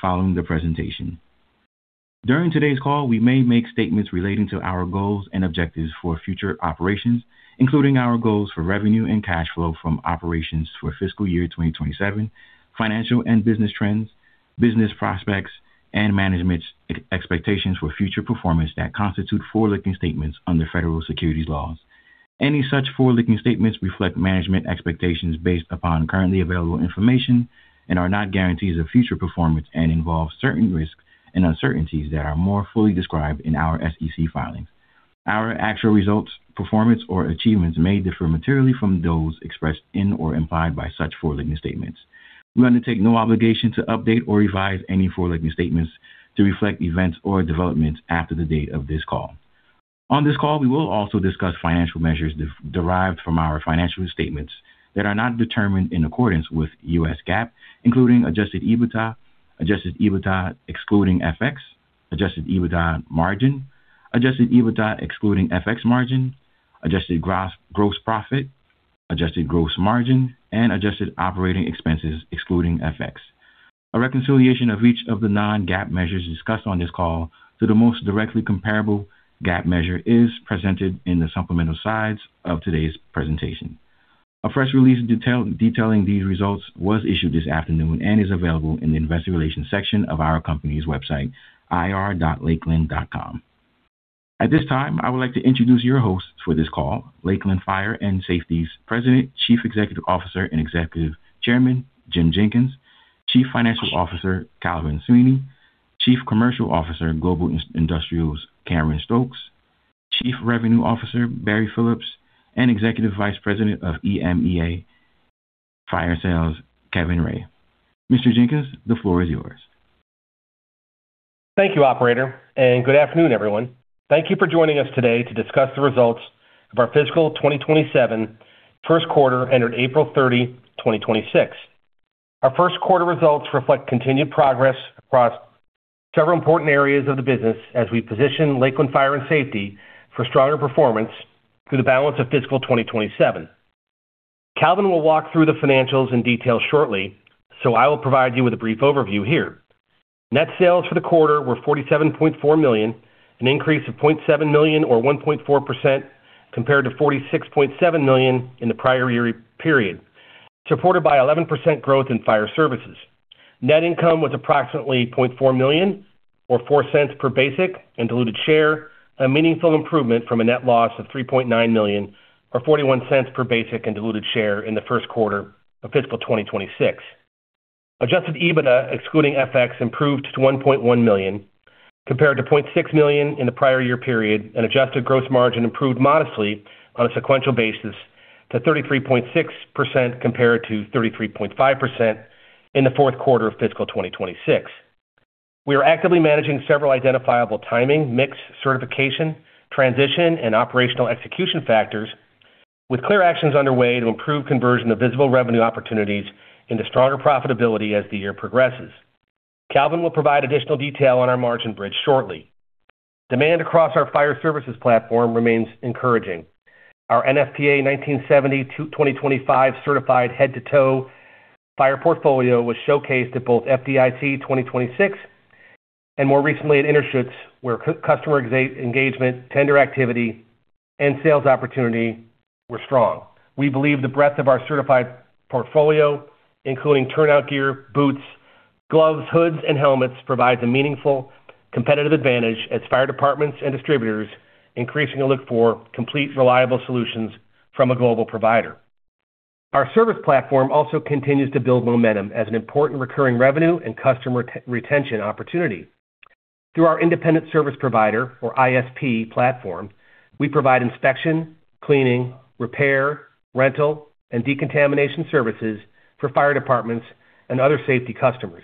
Following the presentation. During today's call, we may make statements relating to our goals and objectives for future operations, including our goals for revenue and cash flow from operations for fiscal year 2027, financial and business trends, business prospects, and management's expectations for future performance that constitute forward-looking statements under federal securities laws. Any such forward-looking statements reflect management expectations based upon currently available information and are not guarantees of future performance and involve certain risks and uncertainties that are more fully described in our SEC filings. Our actual results, performance, or achievements may differ materially from those expressed in or implied by such forward-looking statements. We undertake no obligation to update or revise any forward-looking statements to reflect events or developments after the date of this call. On this call, we will also discuss financial measures derived from our financial statements that are not determined in accordance with U.S. GAAP, including adjusted EBITDA, adjusted EBITDA excluding FX, adjusted EBITDA margin, adjusted EBITDA excluding FX margin, adjusted gross profit, adjusted gross margin, and adjusted operating expenses excluding FX. A reconciliation of each of the non-GAAP measures discussed on this call to the most directly comparable GAAP measure is presented in the supplemental slides of today's presentation. A press release detailing these results was issued this afternoon and is available in the investor relations section of our company's website, ir.lakeland.com. At this time, I would like to introduce your hosts for this call, Lakeland Fire + Safety's President, Chief Executive Officer, and Executive Chairman, Jim Jenkins, Chief Financial Officer, Calven Swinea, Chief Commercial Officer, Global Industrials, Cameron Stokes, Chief Revenue Officer, Barry Phillips, and Executive Vice President of EMEA Fire Sales, Kevin Rae. Mr. Jenkins, the floor is yours. Thank you, operator. Good afternoon, everyone. Thank you for joining us today to discuss the results of our fiscal 2027 Q1 ended April 30, 2026. Our Q1 results reflect continued progress across several important areas of the business as we position Lakeland Fire + Safety for stronger performance through the balance of fiscal 2027. Calven will walk through the financials in detail shortly, so I will provide you with a brief overview here. Net sales for the quarter were $47.4 million, an increase of $0.7 million or 1.4% compared to $46.7 million in the prior year period, supported by 11% growth in fire services. Net income was approximately $0.4 million or $0.04 per basic and diluted share, a meaningful improvement from a net loss of $3.9 million or $0.41 per basic and diluted share in the Q1 of fiscal 2026. Adjusted EBITDA excluding FX improved to $1.1 million compared to $0.6 million in the prior year period, and adjusted gross margin improved modestly on a sequential basis to 33.6% compared to 33.5% in the Q4 of fiscal 2026. We are actively managing several identifiable timing, mix, certification, transition, and operational execution factors with clear actions underway to improve conversion of visible revenue opportunities into stronger profitability as the year progresses. Calven will provide additional detail on our margin bridge shortly. Demand across our fire services platform remains encouraging. Our NFPA 1970 2025 certified head-to-toe fire portfolio was showcased at both FDIC 2026 and more recently at Interschutz, where customer engagement, tender activity, and sales opportunity were strong. We believe the breadth of our certified portfolio, including turnout gear, boots, gloves, hoods, and helmets, provides a meaningful competitive advantage as fire departments and distributors increasingly look for complete reliable solutions from a global provider. Our service platform also continues to build momentum as an important recurring revenue and customer retention opportunity. Through our independent service provider, or ISP platform, we provide inspection, cleaning, repair, rental, and decontamination services for fire departments and other safety customers.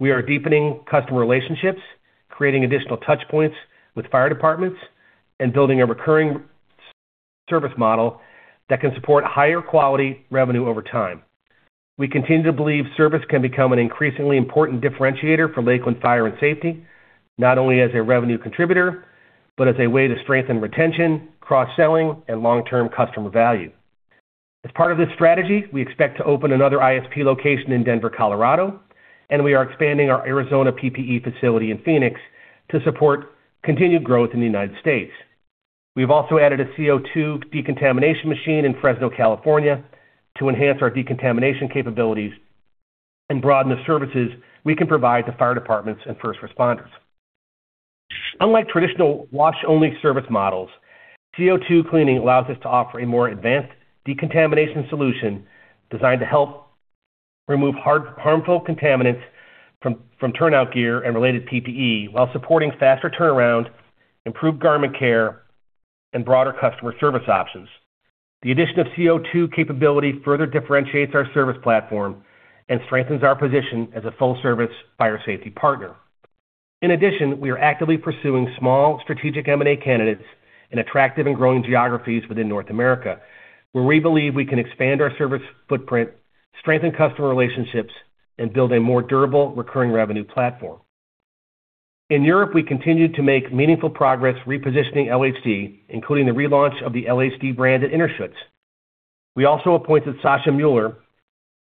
We are deepening customer relationships, creating additional touch points with fire departments, and building a recurring service model that can support higher quality revenue over time. We continue to believe service can become an increasingly important differentiator for Lakeland Fire + Safety, not only as a revenue contributor, but as a way to strengthen retention, cross-selling, and long-term customer value. As part of this strategy, we expect to open another ISP location in Denver, Colorado, and we are expanding our Arizona PPE facility in Phoenix to support continued growth in the United States. We've also added a CO2 decontamination machine in Riverside, California, to enhance our decontamination capabilities and broaden the services we can provide to fire departments and first responders. Unlike traditional wash-only service models, CO2 cleaning allows us to offer a more advanced decontamination solution designed to help remove harmful contaminants from turnout gear and related PPE while supporting faster turnaround, improved garment care, and broader customer service options. The addition of CO2 capability further differentiates our service platform and strengthens our position as a full-service fire safety partner. In Europe, we continued to make meaningful progress repositioning LHD, including the relaunch of the LHD brand at Interschutz. We also appointed Sascha Mueller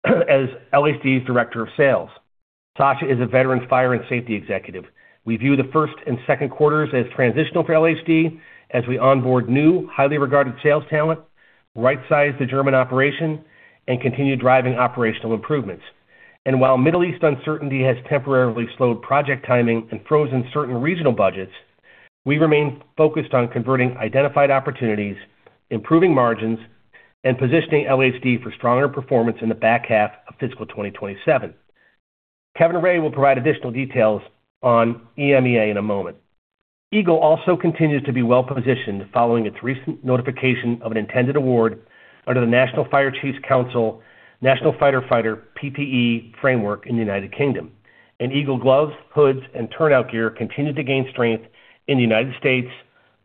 as LHD's Director of Sales. Sascha is a veteran fire and safety executive. We view the first and Q2 as transitional for LHD as we onboard new highly regarded sales talent, right-size the German operation, and continue driving operational improvements. While Middle East uncertainty has temporarily slowed project timing and frozen certain regional budgets, we remain focused on converting identified opportunities, improving margins, and positioning LHD for stronger performance in the back half of fiscal 2027. Kevin Rae will provide additional details on EMEA in a moment. Eagle also continues to be well-positioned following its recent notification of an intended award under the National Fire Chiefs Council National Firefighter PPE Framework in the U.K. Eagle gloves, hoods, and turnout gear continue to gain strength in the U.S.,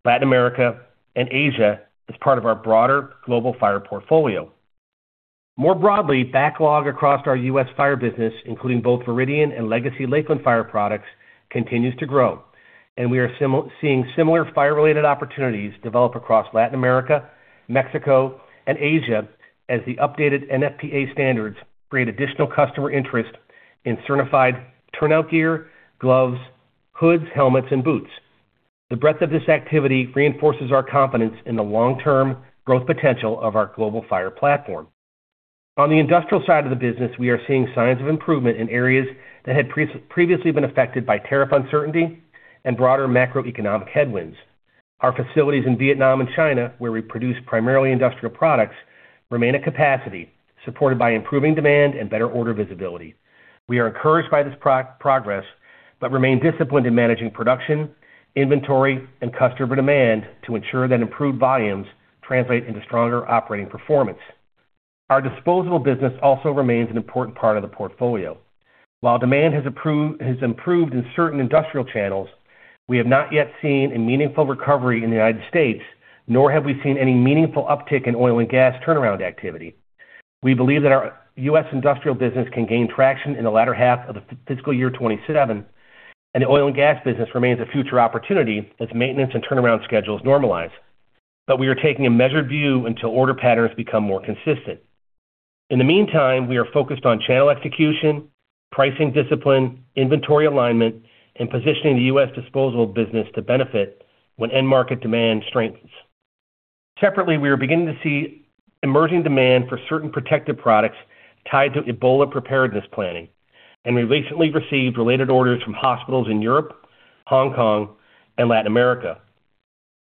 Latin America, and Asia as part of our broader global fire portfolio. More broadly, backlog across our U.S. fire business, including both Veridian and legacy Lakeland fire products, continues to grow, and we are seeing similar fire-related opportunities develop across Latin America, Mexico, and Asia as the updated NFPA standards create additional customer interest in certified turnout gear, gloves, hoods, helmets, and boots. The breadth of this activity reinforces our confidence in the long-term growth potential of our global fire platform. On the industrial side of the business, we are seeing signs of improvement in areas that had previously been affected by tariff uncertainty and broader macroeconomic headwinds. Our facilities in Vietnam and China, where we produce primarily industrial products, remain at capacity, supported by improving demand and better order visibility. We are encouraged by this progress but remain disciplined in managing production, inventory, and customer demand to ensure that improved volumes translate into stronger operating performance. Our disposable business also remains an important part of the portfolio. While demand has improved in certain industrial channels, we have not yet seen a meaningful recovery in the U.S., nor have we seen any meaningful uptick in oil and gas turnaround activity. We believe that our U.S. industrial business can gain traction in the latter half of the fiscal year 2027, and the oil and gas business remains a future opportunity as maintenance and turnaround schedules normalize. We are taking a measured view until order patterns become more consistent. In the meantime, we are focused on channel execution, pricing discipline, inventory alignment, and positioning the U.S. disposable business to benefit when end-market demand strengthens. Separately, we are beginning to see emerging demand for certain protective products tied to Ebola preparedness planning, and we recently received related orders from hospitals in Europe, Hong Kong, and Latin America.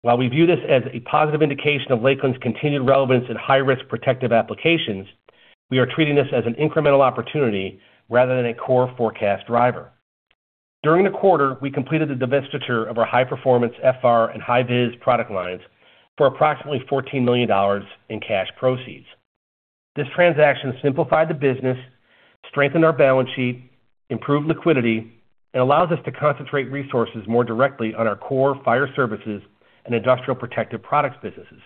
While we view this as a positive indication of Lakeland's continued relevance in high-risk protective applications, we are treating this as an incremental opportunity rather than a core forecast driver. During the quarter, we completed the divestiture of our High Performance FR and Hi-Vis product lines for approximately $14 million in cash proceeds. This transaction simplified the business, strengthened our balance sheet, improved liquidity, and allows us to concentrate resources more directly on our core fire services and industrial protective products businesses.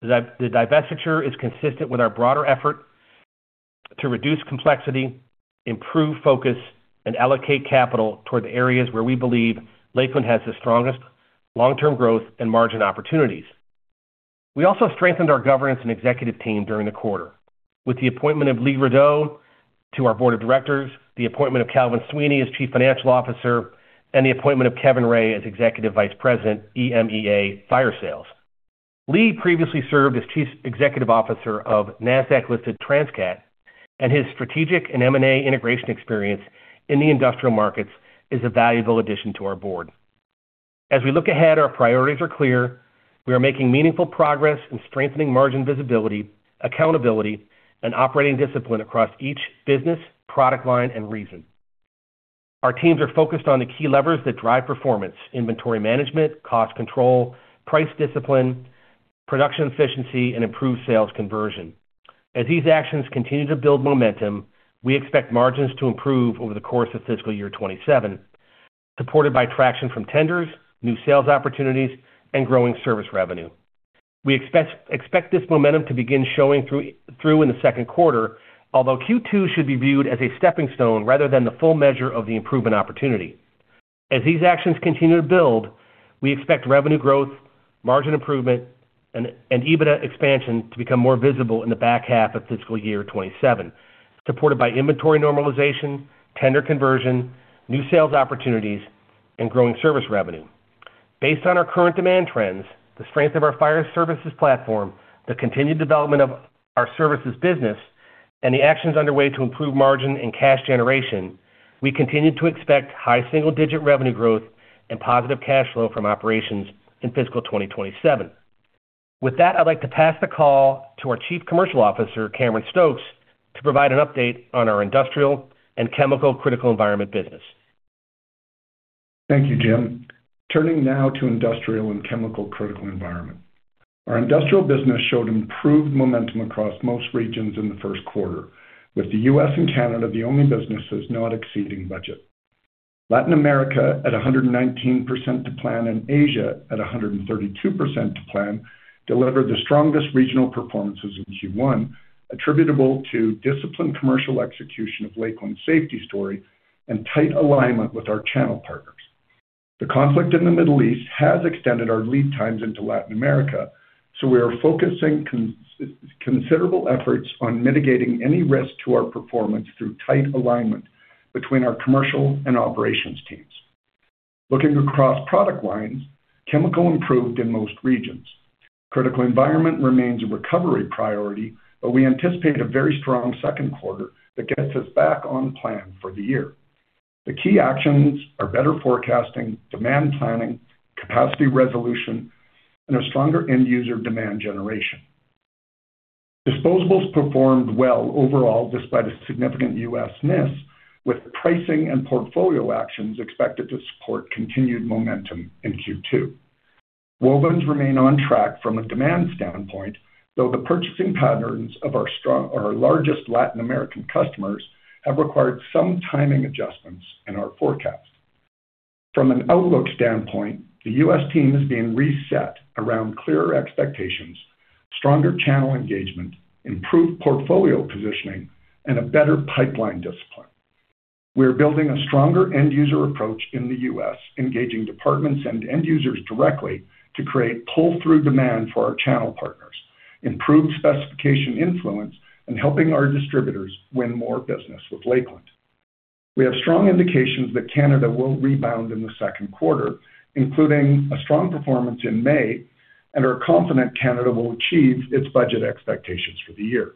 The divestiture is consistent with our broader effort to reduce complexity, improve focus, and allocate capital toward areas where we believe Lakeland has the strongest long-term growth and margin opportunities. We also strengthened our governance and executive team during the quarter with the appointment of Lee Rudow to our board of directors, the appointment of Calven Swinea as Chief Financial Officer, and the appointment of Kevin Rae as Executive Vice President, EMEA Fire Sales. Lee previously served as Chief Executive Officer of NASDAQ-listed Transcat, Inc., his strategic and M&A integration experience in the industrial markets is a valuable addition to our board. As we look ahead, our priorities are clear. We are making meaningful progress in strengthening margin visibility, accountability, and operating discipline across each business, product line, and region. Our teams are focused on the key levers that drive performance, inventory management, cost control, price discipline, production efficiency, and improved sales conversion. As these actions continue to build momentum, we expect margins to improve over the course of fiscal year 2027, supported by traction from tenders, New sales opportunities, and growing service revenue. We expect this momentum to begin showing through in the Q2, although Q2 should be viewed as a stepping stone rather than the full measure of the improvement opportunity. As these actions continue to build, we expect revenue growth, margin improvement, and EBITDA expansion to become more visible in the back half of fiscal year 2027, supported by inventory normalization, tender conversion, new sales opportunities, and growing service revenue. Based on our current demand trends, the strength of our fire services platform, The continued development of our services business, and the actions underway to improve margin and cash generation, we continue to expect high single-digit revenue growth and positive cash flow from operations in fiscal 2027. With that, I'd like to pass the call to our Chief Commercial Officer, Cameron Stokes, to provide an update on our industrial and chemical critical environment business. Thank you, Jim. Turning now to industrial and chemical critical environment. Our industrial business showed improved momentum across most regions in the Q1, with the U.S. and Canada the only businesses not exceeding budget. Latin America at 119% to plan and Asia at 132% to plan delivered the strongest regional performances in Q1 attributable to disciplined commercial execution of Lakeland safety story and tight alignment with our channel partners. The conflict in the Middle East has extended our lead times into Latin America, We are focusing considerable efforts on mitigating any risk to our performance through tight alignment between our commercial and operations teams. Looking across product lines, chemical improved in most regions. Critical environment remains a recovery priority, but we anticipate a very strong Q2 that gets us back on plan for the year. The key actions are better forecasting, demand planning, capacity resolution, and a stronger end user demand generation. Disposables performed well overall despite a significant U.S. miss, with pricing and portfolio actions expected to support continued momentum in Q2. Wovens remain on track from a demand standpoint, though the purchasing patterns of our largest Latin American customers have required some timing adjustments in our forecast. From an outlook standpoint, the U.S. team is being reset around clearer expectations, stronger channel engagement, improved portfolio positioning, and a better pipeline discipline. We are building a stronger end user approach in the U.S., engaging departments and end users directly to create pull-through demand for our channel partners, improve specification influence, and helping our distributors win more business with Lakeland. We have strong indications that Canada will rebound in the Q2, including a strong performance in May, and are confident Canada will achieve its budget expectations for the year.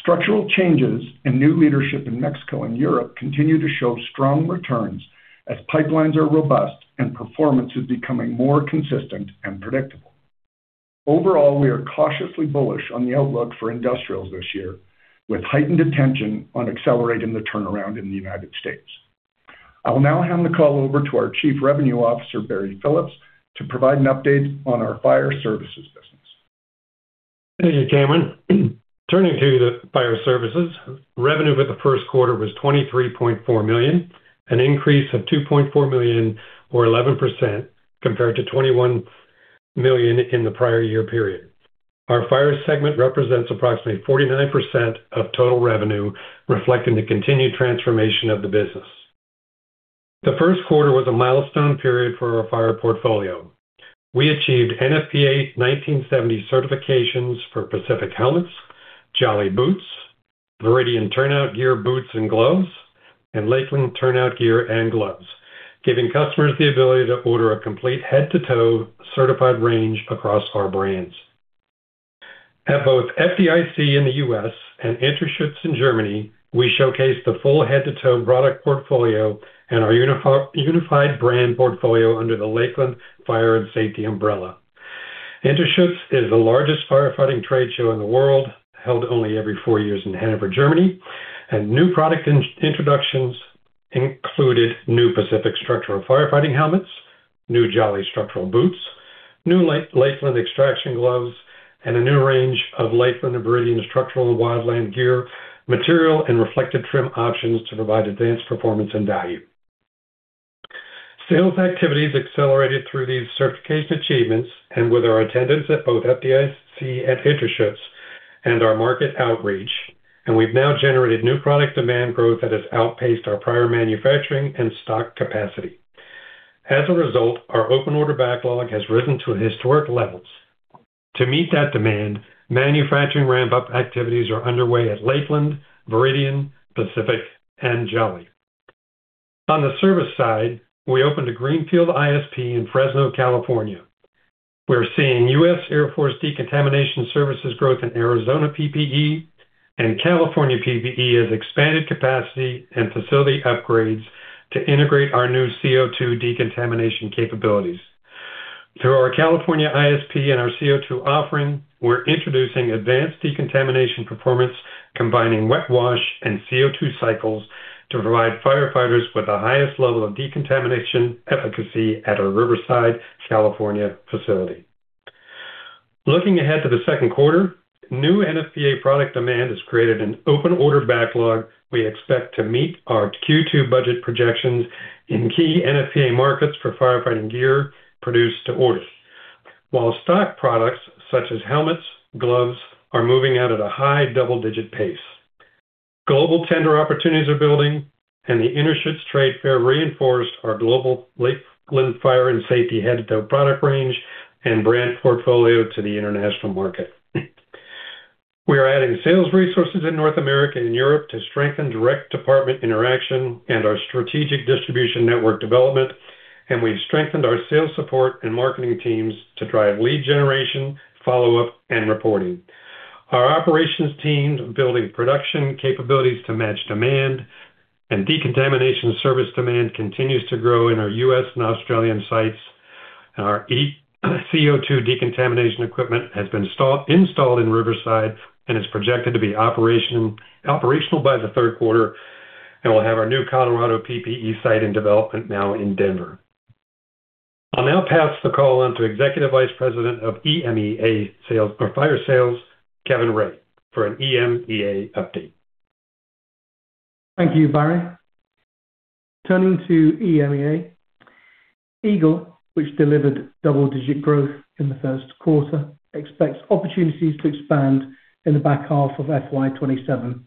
Structural changes and new leadership in Mexico and Europe continue to show strong returns as pipelines are robust and performance is becoming more consistent and predictable. Overall, we are cautiously bullish on the outlook for industrials this year, with heightened attention on accelerating the turnaround in the U.S. I will now hand the call over to our Chief Revenue Officer, Barry Phillips, to provide an update on our fire services business. Thank you, Cameron. Turning to the fire services, revenue for the Q1 was $23.4 million, an increase of $2.4 million or 11% compared to $21 million in the prior year period. Our fire segment represents approximately 49% of total revenue, reflecting the continued transformation of the business. The Q1 was a milestone period for our fire portfolio. We achieved NFPA 1970 certifications for Pacific Helmets, Jolly boots, Veridian turnout gear, boots, and gloves, and Lakeland turnout gear and gloves, giving customers the ability to order a complete head-to-toe certified range across our brands. At both FDIC in the U.S. and Interschutz in Germany, we showcased the full head-to-toe product portfolio and our unified brand portfolio under the Lakeland Fire + Safety umbrella. Interschutz is the largest firefighting trade show in the world, held only every four years in Hannover, Germany. New product introductions included new Pacific structural firefighting helmets, new Jolly structural boots, new Lakeland extrication gloves, and a new range of Lakeland and Veridian structural and wildland gear, material, and reflective trim options to provide advanced performance and value. Sales activities accelerated through these certification achievements and with our attendance at both FDIC and Interschutz and our market outreach. We've now generated new product demand growth that has outpaced our prior manufacturing and stock capacity. As a result, our open order backlog has risen to historic levels. To meet that demand, manufacturing ramp-up activities are underway at Lakeland, Veridian, Pacific, and Jolly. On the service side, we opened a greenfield ISP in Fresno, California. We're seeing US Air Force decontamination services growth in Arizona PPE and California PPE as expanded capacity and facility upgrades to integrate our new CO2 decontamination capabilities. Through our California ISP and our CO2 offering, we're introducing advanced decontamination performance, combining wet wash and CO2 cycles to provide firefighters with the highest level of decontamination efficacy at our Riverside, California facility. Looking ahead to the Q2, new NFPA product demand has created an open order backlog we expect to meet our Q2 budget projections in key NFPA markets for firefighting gear produced to order. While stock products such as helmets, gloves are moving out at a high double-digit pace. Global tender opportunities are building. The Interschutz Trade Fair reinforced our global Lakeland Fire + Safety head-to-toe product range and brand portfolio to the international market. We are adding sales resources in North America and Europe to strengthen direct department interaction and our strategic distribution network development. We've strengthened our sales support and marketing teams to drive lead generation, follow-up, and reporting. Our operations teams are building production capabilities to match demand, and decontamination service demand continues to grow in our U.S. and Australian sites. Our CO2 decontamination equipment has been installed in Riverside and is projected to be operational by the Q3. We'll have our new Colorado PPE site in development now in Denver. I'll now pass the call on to Executive Vice President of EMEA Fire Sales, Kevin Rae, for an EMEA update. Thank you, Barry. Turning to EMEA. Eagle, which delivered double-digit growth in the Q1 expects opportunities to expand in the back half of FY 2027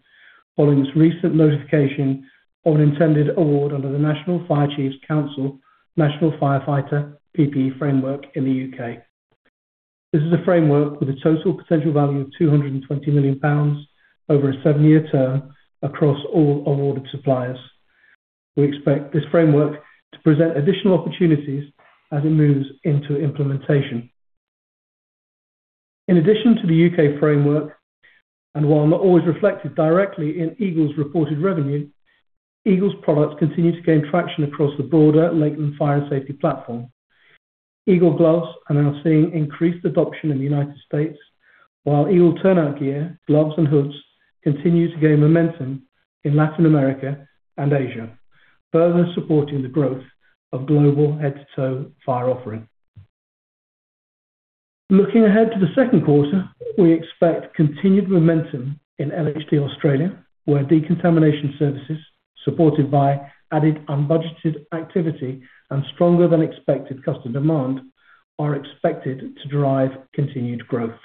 following its recent notification of an intended award under the National Fire Chiefs Council National Firefighter PPE Framework in the U.K. This is a framework with a total potential value of 220 million pounds over a seven-year term across all awarded suppliers. We expect this framework to present additional opportunities as it moves into implementation. While not always reflected directly in Eagle's reported revenue, Eagle's products continue to gain traction across the broader Lakeland Fire + Safety platform. Eagle gloves are now seeing increased adoption in the United States, while Eagle turnout gear, gloves, and hoods continue to gain momentum in Latin America and Asia, further supporting the growth of global head-to-toe fire offering. Looking ahead to the Q2, we expect continued momentum in LHD Australia, where decontamination services, supported by added unbudgeted activity and stronger than expected customer demand, are expected to drive continued growth.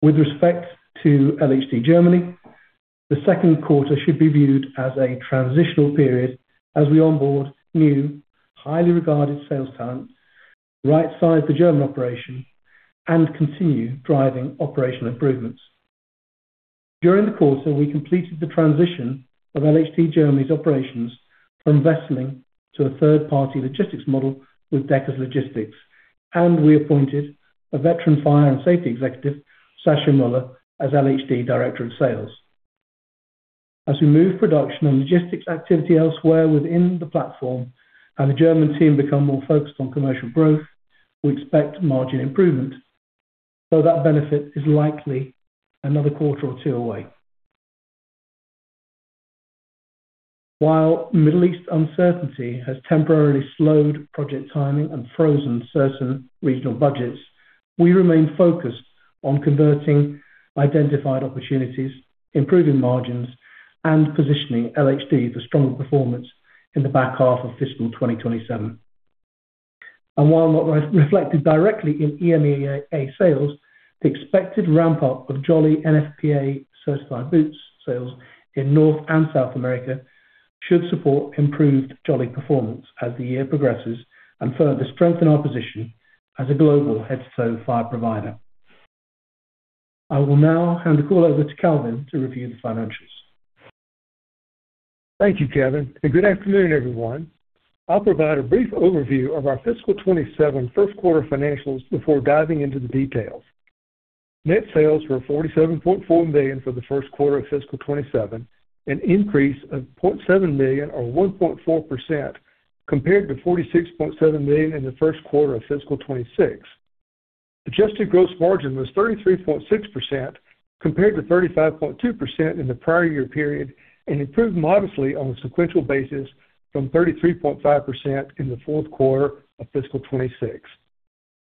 With respect to LHD Germany, the Q2 should be viewed as a transitional period as we onboard new, highly regarded sales talent, rightsize the German operation, and continue driving operational improvements. During the quarter, we completed the transition of LHD Germany's operations from investment to a third-party logistics model with Deckers Logistics. We appointed a veteran fire and safety executive, Sascha Mueller, as LHD Director of Sales. As we move production and logistics activity elsewhere within the platform and the German team become more focused on commercial growth, we expect margin improvement, though that benefit is likely another quarter or two away. While Middle East uncertainty has temporarily slowed project timing and frozen certain regional budgets, we remain focused on converting identified opportunities, improving margins, and positioning LHD for stronger performance in the back half of fiscal 2027. While not reflected directly in EMEA sales, the expected ramp-up of Jolly NFPA-certified boots sales in North and South America should support improved Jolly performance as the year progresses and further strengthen our position as a global head-to-toe fire provider. I will now hand the call over to Calven to review the financials. Thank you, Kevin, and good afternoon, everyone. I will provide a brief overview of our fiscal 2027 Q1 financials before diving into the details. Net sales were $47.4 million for the Q1 of fiscal 2027, an increase of $0.7 million or 1.4% compared to $46.7 million in the Q1 of fiscal 2026. Adjusted gross margin was 33.6%, compared to 35.2% in the prior year period and improved modestly on a sequential basis from 33.5% in the Q4 of fiscal 2026.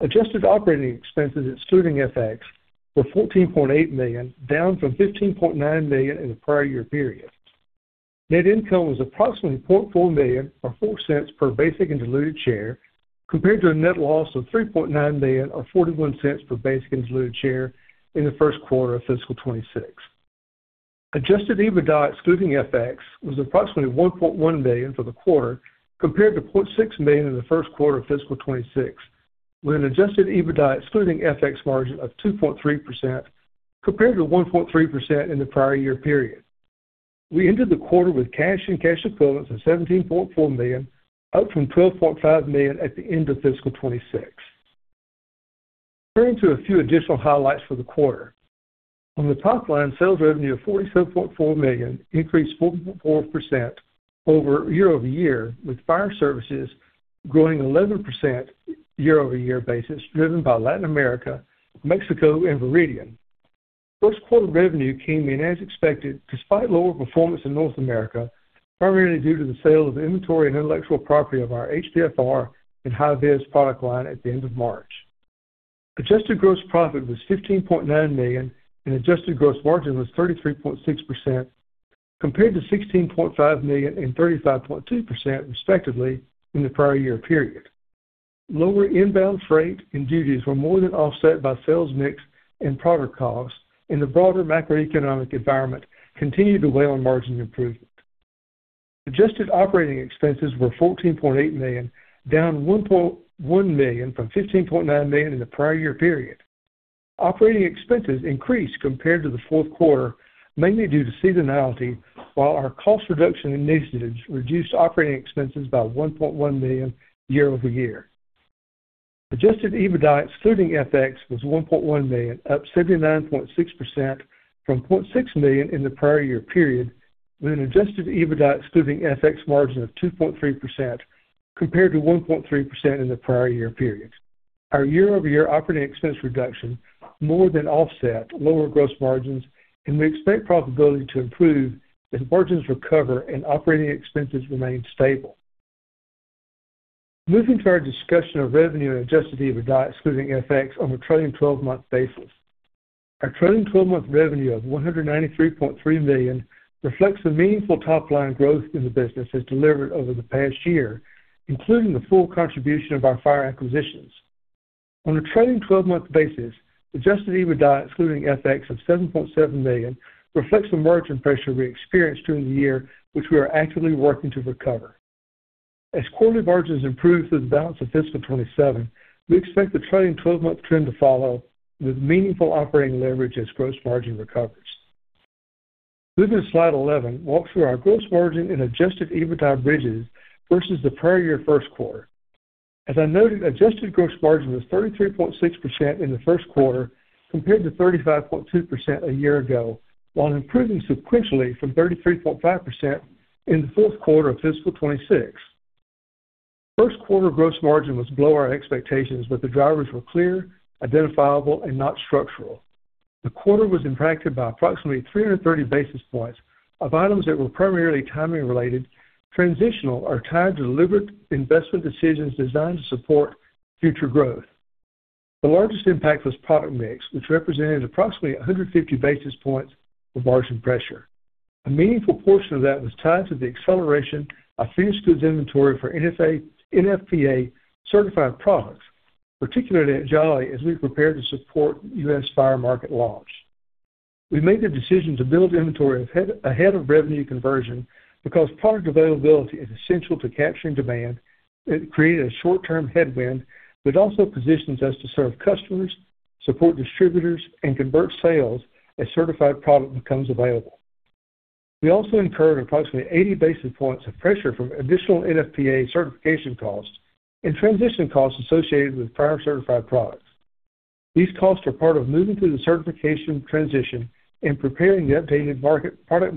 Adjusted operating expenses, excluding FX, were $14.8 million, down from $15.9 million in the prior year period. Net income was approximately $0.4 million or $0.04 per basic and diluted share, compared to a net loss of $3.9 million or $0.41 per basic and diluted share in the Q1 of fiscal 2026. Adjusted EBITDA excluding FX was approximately $1.1 million for the quarter, compared to $0.6 million in the Q1 of fiscal 2026, with an adjusted EBITDA excluding FX margin of 2.3%, compared to 1.3% in the prior year period. We ended the quarter with cash and cash equivalents of $17.4 million, up from $12.5 million at the end of fiscal 2026. Turning to a few additional highlights for the quarter. On the top line, sales revenue of $47.4 million increased 44% year-over-year, with fire services growing 11% year-over-year basis, driven by Latin America, Mexico, and Veridian. Q1 revenue came in as expected despite lower performance in North America, primarily due to the sale of inventory and intellectual property of our HPFR and Hi-Vis product line at the end of March. Adjusted gross profit was $15.9 million and adjusted gross margin was 33.6%, compared to $16.5 million and 35.2%, respectively, in the prior year period. Lower inbound freight and duties were more than offset by sales mix and product costs, and the broader macroeconomic environment continued to weigh on margin improvement. Adjusted operating expenses were $14.8 million, down $1.1 million from $15.9 million in the prior year period. Operating expenses increased compared to the Q4, mainly due to seasonality, while our cost reduction initiatives reduced operating expenses by $1.1 million year-over-year. Adjusted EBITDA excluding FX was $1.1 million, up 79.6% from $0.6 million in the prior year period, with an adjusted EBITDA excluding FX margin of 2.3% compared to 1.3% in the prior year period. Our year-over-year operating expense reduction more than offset lower gross margins, and we expect profitability to improve as margins recover and operating expenses remain stable. Moving to our discussion of revenue and adjusted EBITDA excluding FX on a trailing 12-month basis. Our trailing 12-month revenue of $193.3 million reflects the meaningful top-line growth in the business it has delivered over the past year, including the full contribution of our fire acquisitions. On a trailing 12-month basis, adjusted EBITDA excluding FX of $7.7 million reflects the margin pressure we experienced during the year, which we are actively working to recover. As quarterly margins improve through the balance of fiscal 2027, we expect the trailing 12-month trend to follow with meaningful operating leverage as gross margin recovers. Moving to slide 11, walk through our gross margin and adjusted EBITDA bridges versus the prior year Q1. As I noted, adjusted gross margin was 33.6% in the Q1 compared to 35.2% a year ago, while improving sequentially from 33.5% in the Q4 of fiscal 2026. Q1 gross margin was below our expectations, but the drivers were clear, identifiable and not structural. The quarter was impacted by approximately 330 basis points of items that were primarily timing related, transitional or tied to deliberate investment decisions designed to support future growth. The largest impact was product mix, which represented approximately 150 basis points of margin pressure. A meaningful portion of that was tied to the acceleration of finished goods inventory for NFPA certified products, particularly at Jolly as we prepare to support U.S. Fire market launch. We made the decision to build inventory ahead of revenue conversion because product availability is essential to capturing demand. It created a short-term headwind, but also positions us to serve customers, support distributors, and convert sales as certified product becomes available. We also incurred approximately 80 basis points of pressure from additional NFPA certification costs and transition costs associated with prior certified products. These costs are part of moving through the certification transition and preparing the updated product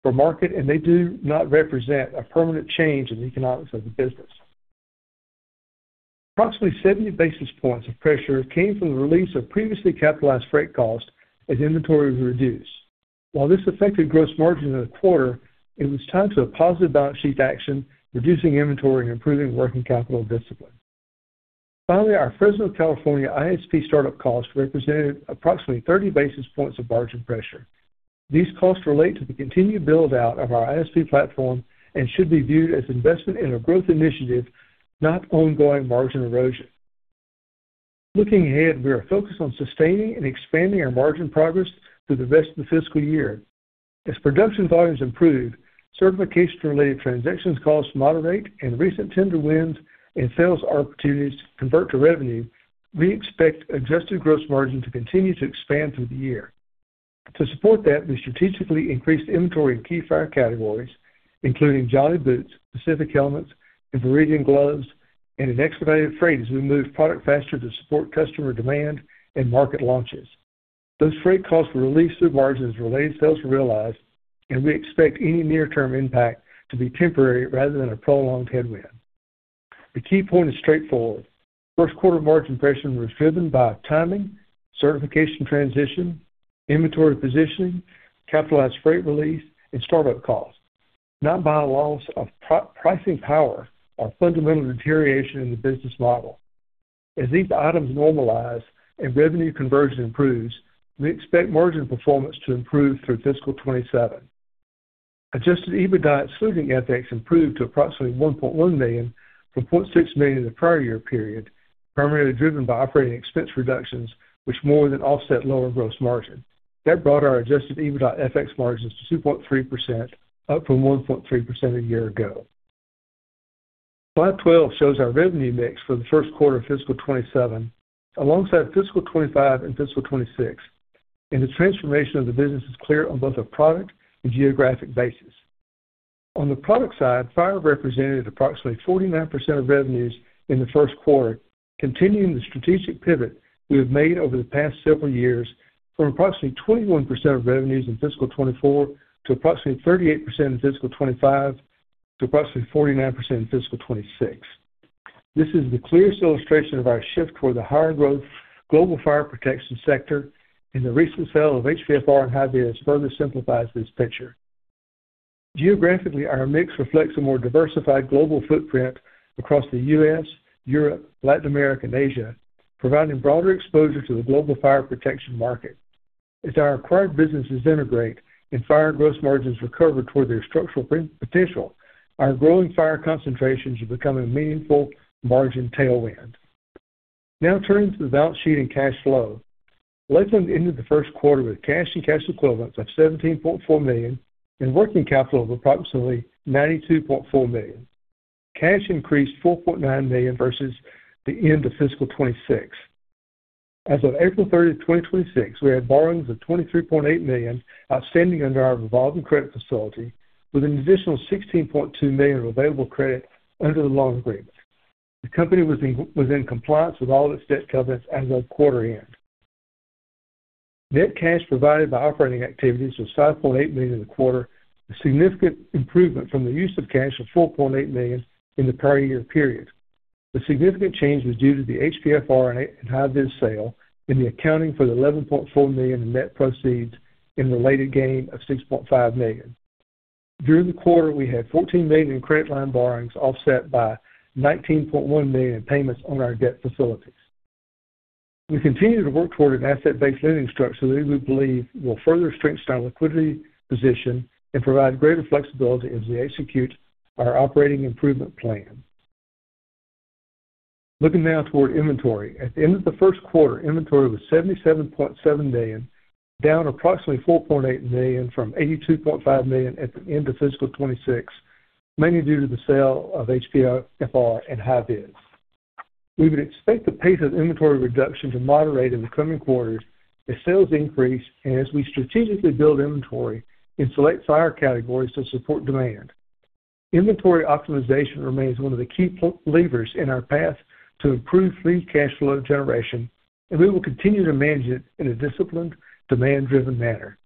offering for market, and they do not represent a permanent change in the economics of the business. Approximately 70 basis points of pressure came from the release of previously capitalized freight costs as inventory was reduced. While this affected gross margin in the quarter, it was tied to a positive balance sheet action, reducing inventory and improving working capital discipline. Finally, our Fresno, California ISP startup costs represented approximately 30 basis points of margin pressure. These costs relate to the continued build-out of our ISP platform and should be viewed as investment in a growth initiative, not ongoing margin erosion. Looking ahead, we are focused on sustaining and expanding our margin progress through the rest of the fiscal year. As production volumes improve, certification-related transactions costs moderate and recent tender wins and sales opportunities convert to revenue, we expect adjusted gross margin to continue to expand through the year. To support that, we strategically increased inventory in key fire categories, including Jolly boots, Pacific Helmets, and Veridian gloves, and in expedited freight as we move product faster to support customer demand and market launches. Those freight costs were released through margins as related sales were realized, and we expect any near-term impact to be temporary rather than a prolonged headwind. The key point is straightforward. Q1 margin pressure was driven by timing, certification transition, inventory positioning, capitalized freight release, and start-up costs, not by a loss of pricing power or fundamental deterioration in the business model. As these items normalize and revenue conversion improves, we expect margin performance to improve through fiscal 2027. Adjusted EBITDA excluding FX improved to approximately $1.1 million from $0.6 million in the prior year period, primarily driven by operating expense reductions, which more than offset lower gross margin. That brought our adjusted EBITDA FX margins to 2.3%, up from 1.3% a year ago. Slide 12 shows our revenue mix for the Q1 of fiscal 2027 alongside fiscal 2025 and fiscal 2026, and the transformation of the business is clear on both a product and geographic basis. On the product side, fire represented approximately 49% of revenues in the Q1, continuing the strategic pivot we have made over the past several years from approximately 21% of revenues in fiscal 2024 to approximately 38% in fiscal 2025 to approximately 49% in fiscal 2026. This is the clearest illustration of our shift toward the higher growth global fire protection sector and the recent sale of HPFR and Hi-Vis further simplifies this picture. Geographically, our mix reflects a more diversified global footprint across the U.S., Europe, Latin America, and Asia, providing broader exposure to the global fire protection market. As our acquired businesses integrate and fire gross margins recover toward their structural potential, our growing fire concentrations are becoming a meaningful margin tailwind. Turning to the balance sheet and cash flow. Lakeland ended the Q1 with cash and cash equivalents of $17.4 million and working capital of approximately $92.4 million. Cash increased $4.9 million versus the end of fiscal 2026. As of April 30th, 2026, we had borrowings of $23.8 million outstanding under our revolving credit facility with an additional $16.2 million of available credit under the loan agreement. The company was in compliance with all its debt covenants as of quarter end. Net cash provided by operating activities was $5.8 million in the quarter, a significant improvement from the use of cash of $4.8 million in the prior year period. The significant change was due to the HPFR and Hi-Vis sale and the accounting for the $11.4 million in net proceeds and related gain of $6.5 million. During the quarter, we had $14 million in credit line borrowings offset by $19.1 million in payments on our debt facilities. We continue to work toward an asset-based lending structure that we believe will further strengthen our liquidity position and provide greater flexibility as we execute our operating improvement plan. Looking now toward inventory. At the end of the Q1, inventory was $77.7 million, down approximately $4.8 million from $82.5 million at the end of fiscal 2026, mainly due to the sale of HPFR and Hi-Vis. We would expect the pace of inventory reduction to moderate in the coming quarters as sales increase and as we strategically build inventory in select fire categories to support demand. Inventory optimization remains one of the key levers in our path to improve free cash flow generation, and we will continue to manage it in a disciplined, demand-driven manner.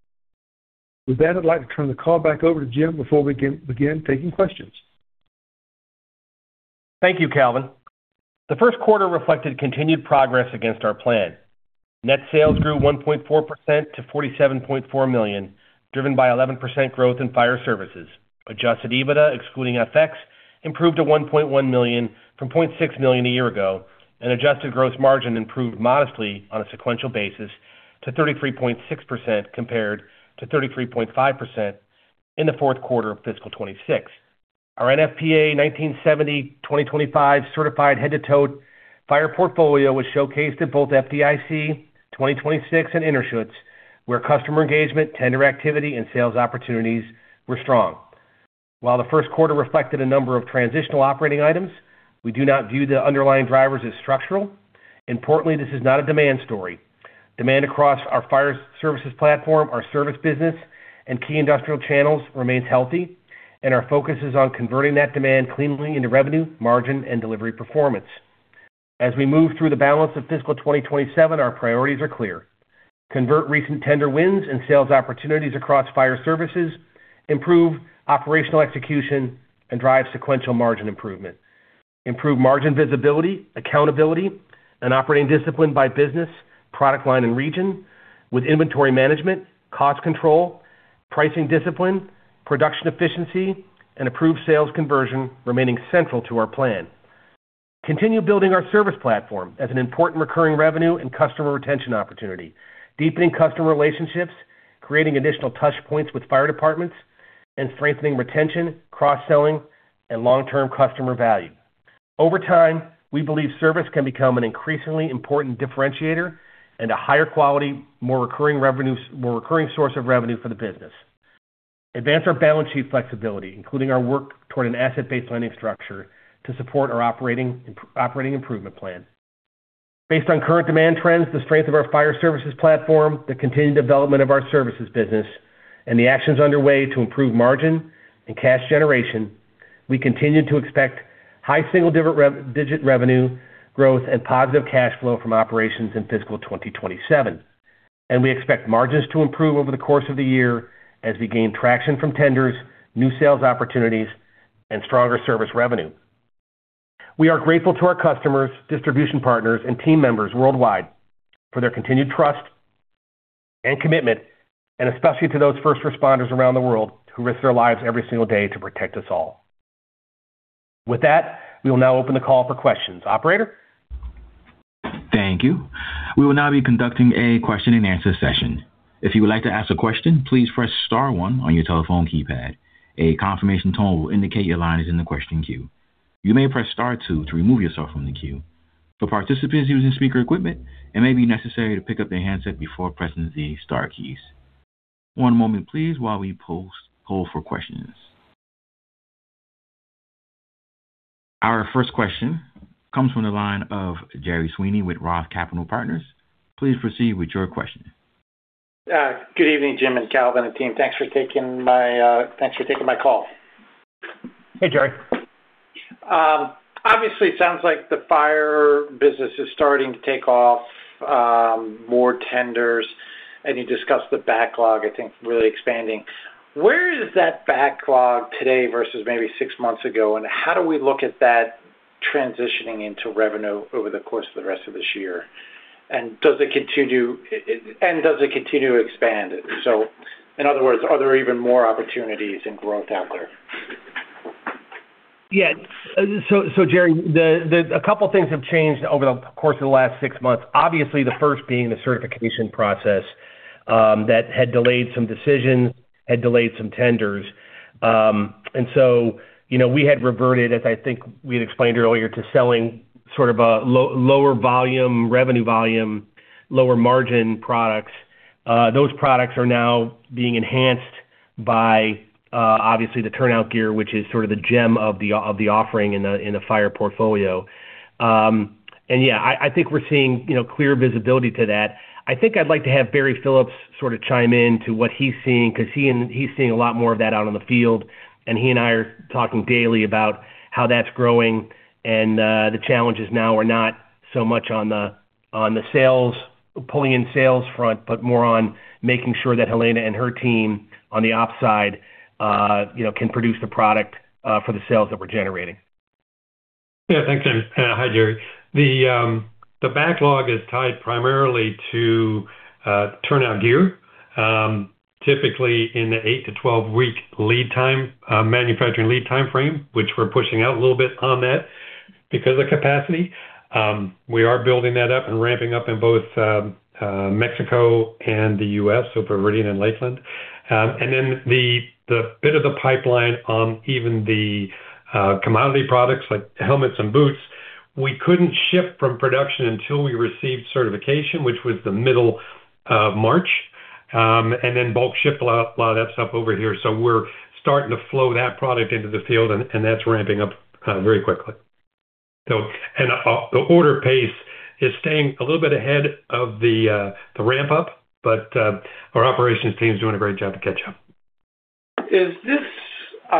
With that, I'd like to turn the call back over to Jim before we begin taking questions. Thank you, Calven. The Q1 reflected continued progress against our plan. Net sales grew 1.4% to $47.4 million, driven by 11% growth in fire services. Adjusted EBITDA, excluding FX, improved to $1.1 million from $0.6 million a year ago, and adjusted gross margin improved modestly on a sequential basis to 33.6%, compared to 33.5% in the Q4 of fiscal 2026. Our NFPA 1970, 2025 Edition certified head-to-toe fire portfolio was showcased at both FDIC 2026 and Interschutz, where customer engagement, tender activity, and sales opportunities were strong. While the Q1 reflected a number of transitional operating items, we do not view the underlying drivers as structural. Importantly, this is not a demand story. Demand across our fire services platform, our service business, and key industrial channels remains healthy, and our focus is on converting that demand cleanly into revenue, margin and delivery performance. As we move through the balance of fiscal 2027, our priorities are clear. Convert recent tender wins and sales opportunities across fire services, improve operational execution, and drive sequential margin improvement. Improve margin visibility, accountability, and operating discipline by business, product line and region with inventory management, cost control, pricing discipline, production efficiency, and approved sales conversion remaining central to our plan. Continue building our service platform as an important recurring revenue and customer retention opportunity, deepening customer relationships, creating additional touch points with fire departments, and strengthening retention, cross-selling, and long-term customer value. Over time, we believe service can become an increasingly important differentiator and a higher quality, more recurring source of revenue for the business. Advance our balance sheet flexibility, including our work toward an asset-based lending structure to support our operating improvement plan. Based on current demand trends, the strength of our fire services platform, the continued development of our services business, and the actions underway to improve margin and cash generation, we continue to expect high single-digit revenue growth and positive cash flow from operations in fiscal 2027. We expect margins to improve over the course of the year as we gain traction from tenders, new sales opportunities, and stronger service revenue. We are grateful to our customers, distribution partners, and team members worldwide for their continued trust and commitment, and especially to those first responders around the world who risk their lives every single day to protect us all. With that, we will now open the call for questions. Operator? Thank you. We will now be conducting a question and answer session. If you would like to ask a question, please press star one on your telephone keypad. A confirmation tone will indicate your line is in the question queue. You may press star two to remove yourself from the queue. For participants using speaker equipment, it may be necessary to pick up their handset before pressing the star keys. One moment, please, while we pull for questions. Our first question comes from the line of Gerard Sweeney with ROTH Capital Partners. Please proceed with your question. Good evening, Jim and Calven and team. Thanks for taking my call. Hey, Gerard. It sounds like the fire business is starting to take off, more tenders. You discussed the backlog, I think, really expanding. Where is that backlog today versus maybe six months ago, and how do we look at that transitioning into revenue over the course of the rest of this year? Does it continue to expand? In other words, are there even more opportunities and growth out there? Yeah. Gerard, a couple things have changed over the course of the last six months. The first being the certification process that had delayed some decisions, had delayed some tenders. We had reverted, as I think we had explained earlier, To selling sort of a lower revenue volume, lower margin products. Those products are now being enhanced by, obviously, the turnout gear, which is sort of the gem of the offering in the fire portfolio. Yeah, I think we're seeing clear visibility to that. I think I'd like to have Barry Phillips sort of chime in to what he's seeing, because he's seeing a lot more of that out on the field, and he and I are talking daily about how that's growing and the challenges now are not so much on the pulling in sales front, but more on making sure that Helena and her team on the ops side can produce the product for the sales that we're generating. Yeah. Thanks, Jim. Hi, Gerard. The backlog is tied primarily to turnout gear. Typically, in the 8-12-week manufacturing lead time frame, which we're pushing out a little bit on that because of capacity. We are building that up and ramping up in both Mexico and the U.S., so Veridian and Lakeland. The bit of the pipeline on even the commodity products like helmets and boots, we couldn't ship from production until we received certification, which was the middle of March. Bulk ship a lot of that stuff over here. We're starting to flow that product into the field, and that's ramping up very quickly. The order pace is staying a little bit ahead of the ramp up. Our operations team is doing a great job to catch up. Is this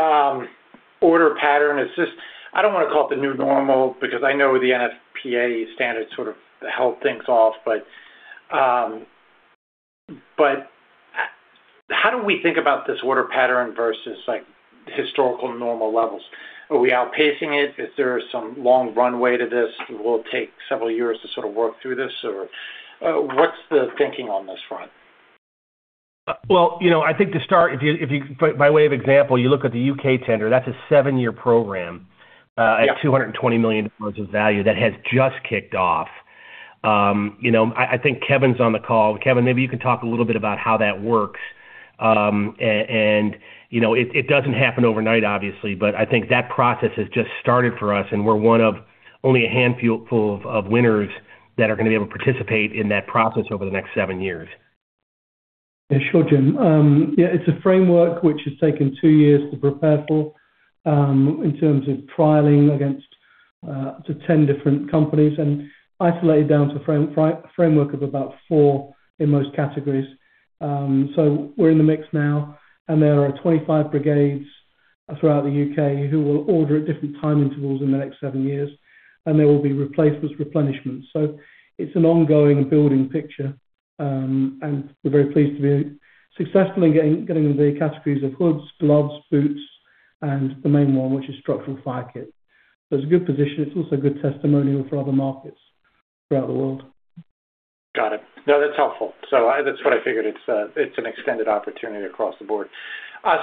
order pattern, is this I don't want to call it the new normal because I know the NFPA standards sort of held things off. How do we think about this order pattern versus historical normal levels? Are we outpacing it? Is there some long runway to this? Will it take several years to sort of work through this or what's the thinking on this front? Well, I think to start, by way of example, you look at the U.K. tender. That's a seven-year program. Yeah. At GBP 220 million of value that has just kicked off. I think Kevin's on the call. Kevin, maybe you can talk a little bit about how that works. It doesn't happen overnight, obviously, but I think that process has just started for us, and we're one of only a handful of winners that are going to be able to participate in that process over the next seven years. Sure, Jim. It's a framework which has taken two years to prepare for in terms of trialing against up to 10 different companies and isolated down to framework of about four in most categories. We're in the mix now, and there are 25 brigades throughout the U.K. who will order at different time intervals in the next seven years, and there will be replacements, replenishments. It's an ongoing building picture. We're very pleased to be successfully getting into the categories of hoods, gloves, boots, and the main one, which is structural fire kit. It's also a good testimonial for other markets throughout the world. Got it. That's helpful. That's what I figured. It's an extended opportunity across the board.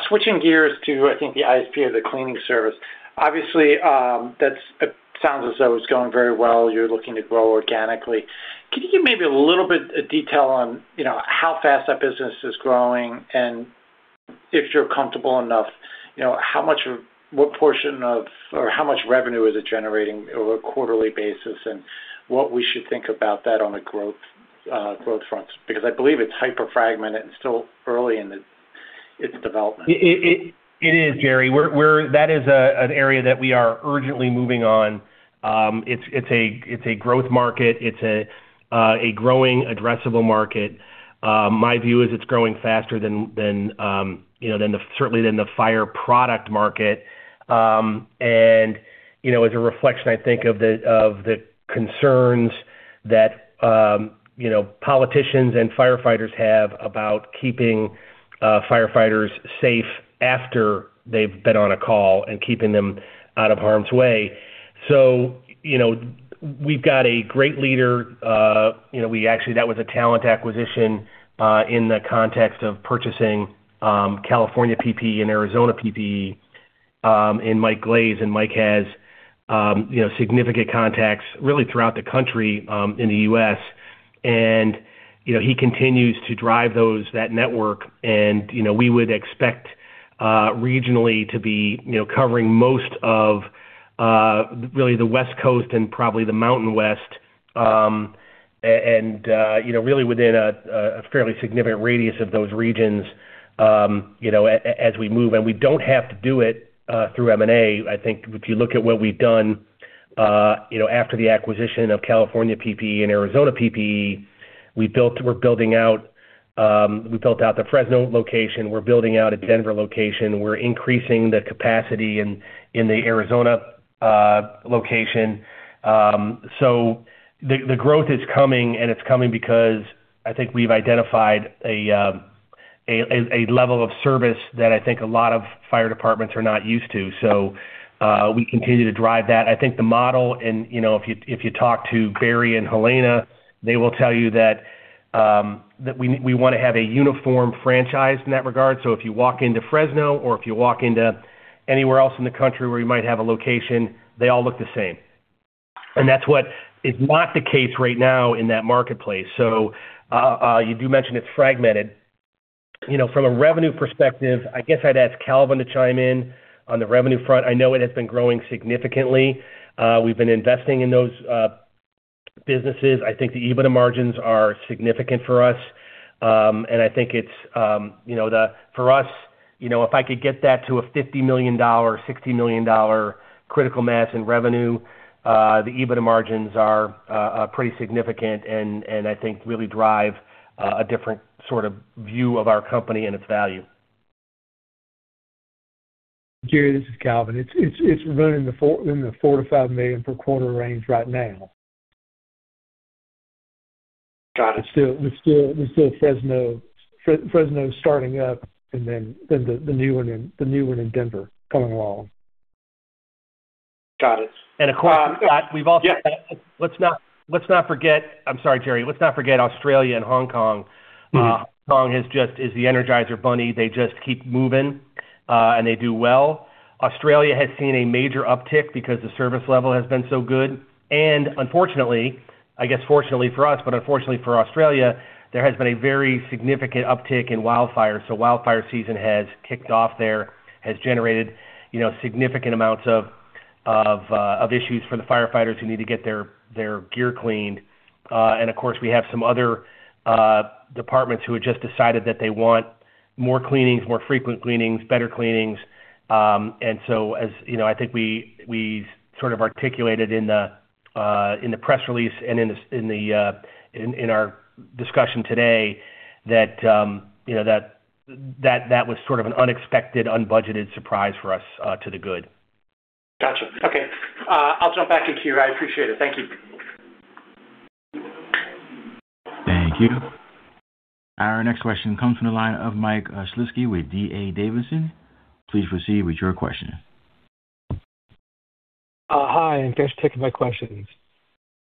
Switching gears to, I think, the ISP or the cleaning service. Obviously, it sounds as though it's going very well. You're looking to grow organically. Can you give maybe a little bit of detail on how fast that business is growing and if you're comfortable enough, how much of what portion of or how much revenue is it generating over a quarterly basis, and what we should think about that on a growth front? I believe it's hyper fragmented and still early in its development. It is, Gerard. That is an area that we are urgently moving on. It's a growth market. It's a growing addressable market. My view is it's growing faster certainly than the fire product market. As a reflection, I think, of the concerns that politicians and firefighters have about keeping firefighters safe after they've been on a call and keeping them out of harm's way. We've got a great leader. We actually, that was a talent acquisition in the context of purchasing California PPE and Arizona PPE in Mike Glaze. Mike has significant contacts really throughout the country, in the U.S. He continues to drive that network. We would expect regionally to be covering most of really the West Coast and probably the Mountain West, and really within a fairly significant radius of those regions as we move. We don't have to do it through M&A. I think if you look at what we've done after the acquisition of California PPE and Arizona PPE, we built out the Fresno location. We're building out a Denver location. We're increasing the capacity in the Arizona location. The growth is coming, and it's coming because I think we've identified a level of service that I think a lot of fire departments are not used to. We continue to drive that. I think the model and if you talk to Barry and Helena, they will tell you that we want to have a uniform franchise in that regard. If you walk into Fresno or if you walk into anywhere else in the country where you might have a location, they all look the same. That's what is not the case right now in that marketplace. You do mention it's fragmented. From a revenue perspective, I guess I'd ask Calven to chime in on the revenue front. I know it has been growing significantly. We've been investing in those businesses. I think the EBITDA margins are significant for us. I think for us, if I could get that to a $50 million, $60 million critical mass in revenue, the EBITDA margins are pretty significant and I think really drive a different sort of view of our company and its value. Gerard, this is Calven. It's running in the $4 million-$5 million per quarter range right now. Got it. We still have Fresno starting up and then the new one in Denver coming along. Got it. Of course, we've also. Yeah. I'm sorry, Gerard. Let's not forget Australia and Hong Kong. Hong Kong is the Energizer Bunny. They just keep moving. They do well. Australia has seen a major uptick because the service level has been so good. Unfortunately, I guess fortunately for us, but unfortunately for Australia, there has been a very significant uptick in wildfires. Wildfire season has kicked off there, has generated significant amounts of issues for the firefighters who need to get their gear cleaned. Of course, we have some other departments who have just decided that they want more cleanings, more frequent cleanings, better cleanings. As I think we sort of articulated in the press release and in our discussion today that was sort of an unexpected, unbudgeted surprise for us to the good. Got you. Okay. I'll jump back in queue. I appreciate it. Thank you. Thank you. Our next question comes from the line of Michael Shlisky with D.A. Davidson. Please proceed with your question. Hi, thanks for taking my questions.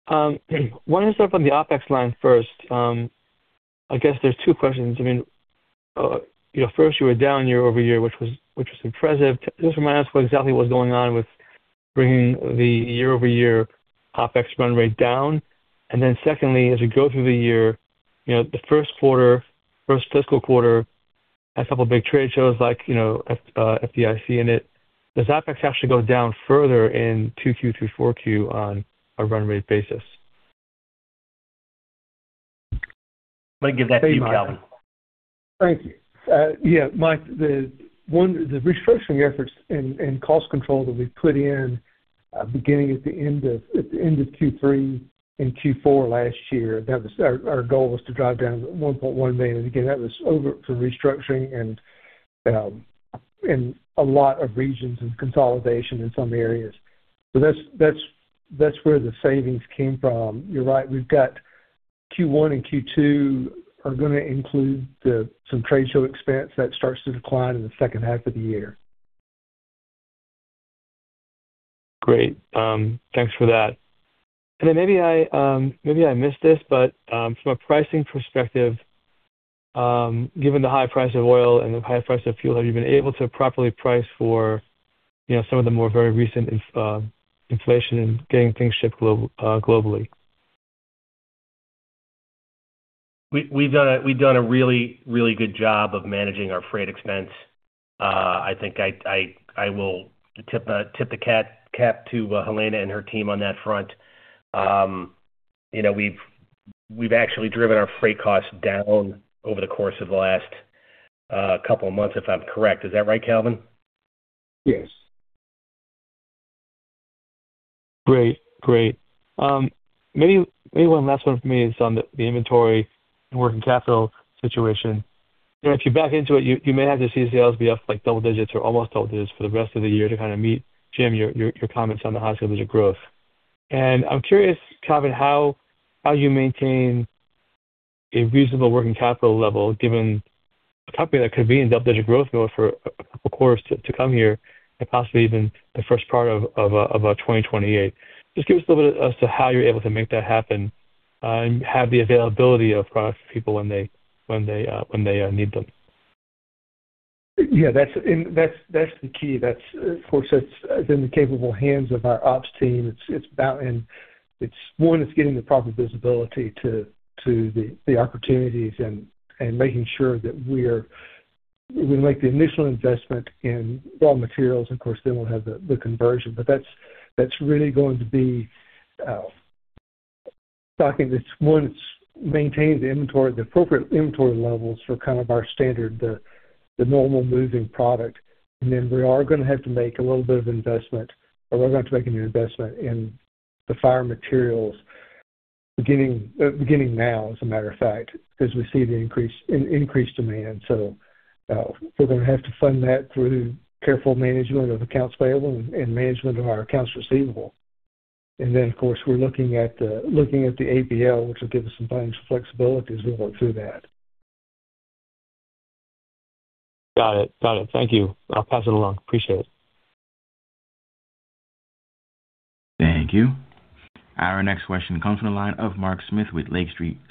Want to start from the OpEx line first. I guess there's two questions. First, you were down year-over-year, which was impressive. Just remind us what exactly was going on with bringing the year-over-year OpEx run rate down. Secondly, as we go through the year, the first fiscal quarter had a couple of big trade shows like FDIC in it. Does OpEx actually go down further in 2Q through 4Q on a run rate basis? I'm going to give that to you, Calven. Thank you. Yeah, Michael, the restructuring efforts and cost control that we put in beginning at the end of Q3 and Q4 last year, our goal was to drive down to $1.1 million. Again, that was over for restructuring and a lot of regions of consolidation in some areas. That's where the savings came from. You're right, we've got Q1 and Q2 are going to include some trade show expense that starts to decline in the H2 of the year. Great. Thanks for that. Then maybe I missed this, but from a pricing perspective, given the high price of oil and the high price of fuel, have you been able to properly price for some of the more very recent inflation and getting things shipped globally? We've done a really good job of managing our freight expense. I think I will tip the cap to Helena and her team on that front. We've actually driven our freight costs down over the course of the last couple of months, if I'm correct. Is that right, Calven? Yes. Great. Maybe one last one for me is on the inventory and working capital situation. If you back into it, you may have to see sales be up like double-digits or almost double-digits for the rest of the year to kind of meet, Jim, your comments on the high single-digit growth. I'm curious, Calven, how you maintain a reasonable working capital level given a company that could be in double-digit growth mode for a couple of quarters to come here, and possibly even the first part of 2028. Just give us a little bit as to how you're able to make that happen and have the availability of products for people when they need them. Yeah, that's the key. Of course, that's in the capable hands of our ops team. One is getting the proper visibility to the opportunities and making sure that we make the initial investment in raw materials. Of course, then we'll have the conversion, but that's really going to be stocking this once, maintain the inventory, the appropriate inventory levels for kind of our standard, the normal moving product. We are going to have to make a little bit of investment, or we're going to have to make a new investment in the Fire materials beginning now, as a matter of fact, Because we see the increased demand. We're going to have to fund that through careful management of accounts payable and management of our accounts receivable. Of course, we're looking at the ABL, which will give us some financial flexibility as we work through that. Got it. Thank you. I'll pass it along. Appreciate it. Thank you. Our next question comes from the line of Mark Smith with Lake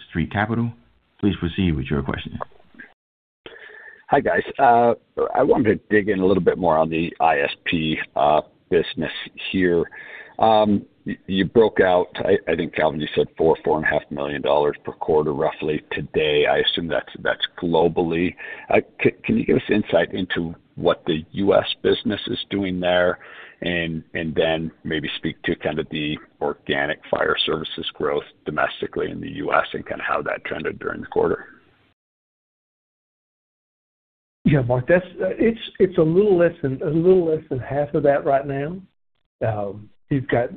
Street Capital Markets. Please proceed with your question. Hi, guys. I wanted to dig in a little bit more on the ISP business here. You broke out, I think, Calven, you said $4 million-$4.5 million per quarter roughly today. I assume that's globally. Can you give us insight into what the U.S. business is doing there, and then maybe speak to kind of the organic fire services growth domestically in the U.S. and kind of how that trended during the quarter? Yeah, Mark, it's a little less than half of that right now. You've got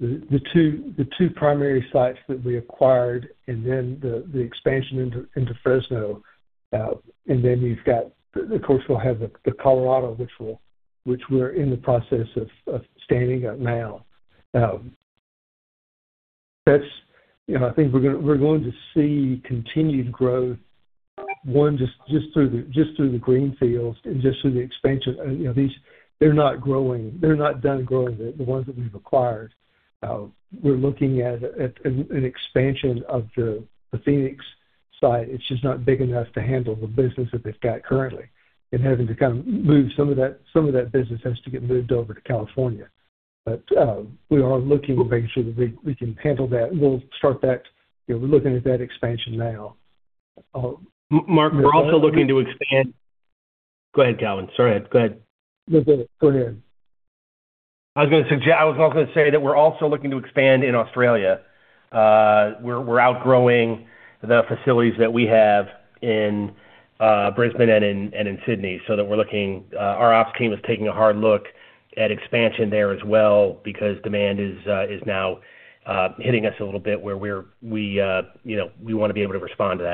the two primary sites that we acquired and then the expansion into Fresno, then, of course, we'll have the Colorado PPE, which we're in the process of standing up now. I think we're going to see continued growth, one, just through the greenfields and just through the expansion. They're not done growing, the ones that we've acquired. We're looking at an expansion of the Phoenix site. It's just not big enough to handle the business that they've got currently. Having to kind of move some of that business has to get moved over to California. We are looking, we're making sure that we can handle that. We'll start that. We're looking at that expansion now. Mark, we're also looking to expand. Go ahead, Calven. Sorry. Go ahead. No, go ahead. I was also going to say that we're also looking to expand in Australia. We're outgrowing the facilities that we have in Brisbane and in Sydney. Our ops team is taking a hard look at expansion there as well, because demand is now hitting us a little bit where we want to be able to respond to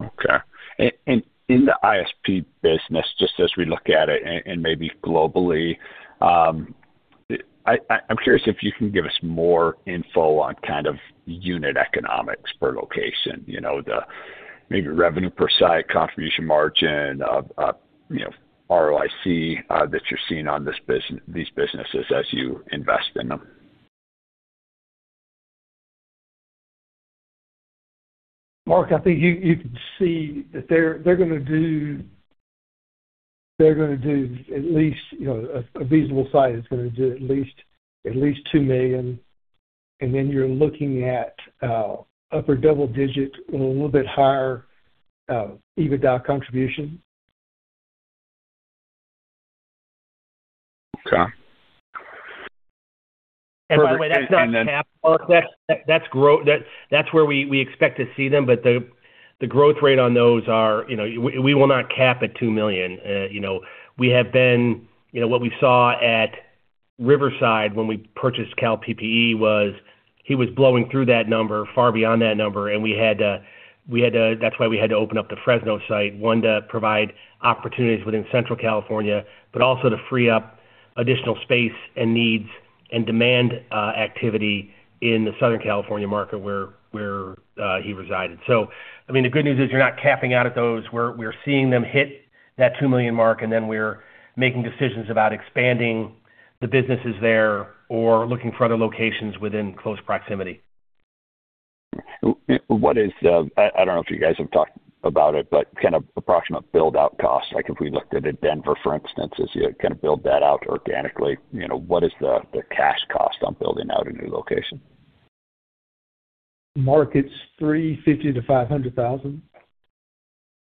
that. Okay. In the ISP business, just as we look at it and maybe globally, I'm curious if you can give us more info on unit economics per location. Maybe revenue per site, contribution margin, ROIC that you're seeing on these businesses as you invest in them. Mark, I think you can see that they're going to do at least, a reasonable site is going to do at least $2 million. Then you're looking at upper double digit and a little bit higher EBITDA contribution. Okay. By the way, that's not capped, Mark. That's where we expect to see them, but the growth rate on those are, we will not cap at $2 million. What we saw at Riverside when we purchased Cal PPE was he was blowing through that number, far beyond that number, and that's why we had to open up the Fresno site, one, To provide opportunities within Central California, but also to free up additional space and needs and demand activity in the Southern California market, where he resided. The good news is you're not capping out at those. We're seeing them hit that $2 million mark, and then we're making decisions about expanding the businesses there or looking for other locations within close proximity. I don't know if you guys have talked about it, but approximate build-out costs, like if we looked at a Denver, for instance, as you build that out organically, what is the cash cost on building out a new location? Mark, it's $350,000-$500,000.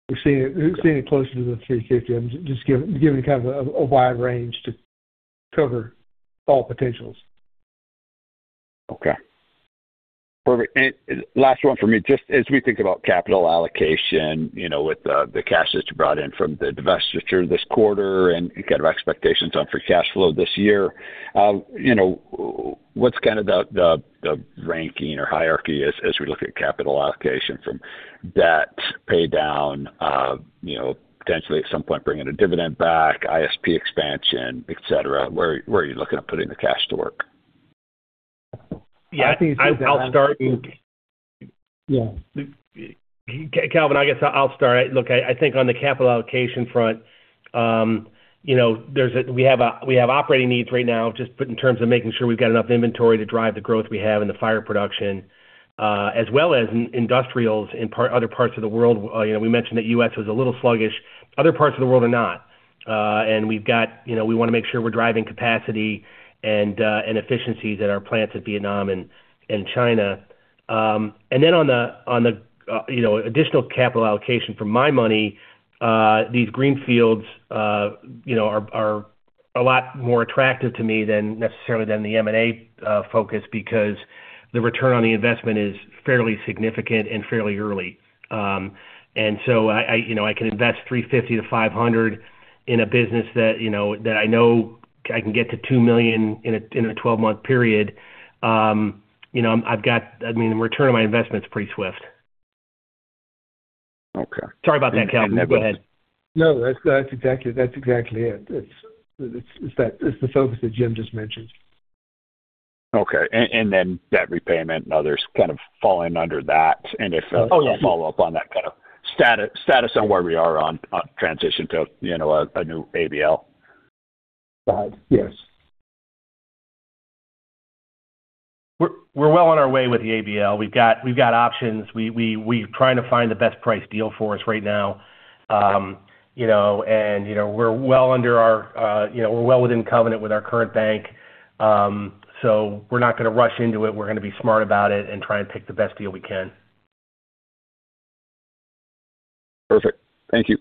We're seeing it closer to $350. I'm just giving kind of a wide range to cover all potentials. Okay. Perfect. Last one from me, just as we think about capital allocation with the cash that you brought in from the divestiture this quarter and kind of expectations on free cash flow this year, what's kind of the ranking or hierarchy as we look at capital allocation from debt paydown of potentially at some point bringing a dividend back, ISP expansion, et cetera? Where are you looking at putting the cash to work? I think, Yeah, I'll start. Yeah. Calven, I guess I'll start. Look, I think on the capital allocation front, we have operating needs right now just in terms of making sure we've got enough inventory to drive the growth we have in the fire production, as well as in industrials in other parts of the world. We mentioned that U.S. was a little sluggish. Other parts of the world are not. We want to make sure we're driving capacity and efficiencies at our plants at Vietnam and China. Then on the additional capital allocation, for my money, these green fields are a lot more attractive to me than necessarily than the M&A focus because the return on the investment is fairly significant and fairly early. So I can invest $350-$500 in a business that I know I can get to $2 million in a 12-month period. The return on my investment's pretty swift. Okay. Sorry about that, Calven. Go ahead. That's exactly it. It's the focus that Jim just mentioned. Okay. Debt repayment and others kind of fall in under that. Yeah. If you can follow up on that, status on where we are on transition to a new ABL. Yes. We're well on our way with the ABL. We've got options. We're trying to find the best price deal for us right now. Okay. We're well within covenant with our current bank. We're not going to rush into it. We're going to be smart about it and try and pick the best deal we can. Perfect. Thank you.